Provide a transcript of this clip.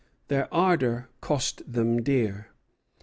Their ardor cost them dear.